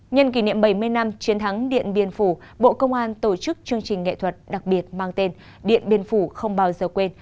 nhân kỷ niệm bảy mươi năm chiến thắng điện biên phủ bộ công an tổ chức chương trình nghệ thuật đặc biệt mang tên điện biên phủ không bao giờ quên